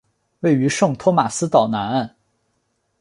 位于圣托马斯岛南岸。